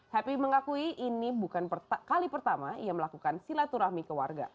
happy mengakui ini bukan kali pertama ia melakukan silaturahmi ke warga